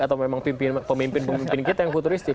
atau memang pemimpin pemimpin kita yang futuristik